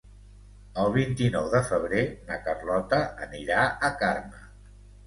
El vint-i-nou de febrer na Carlota anirà a Carme.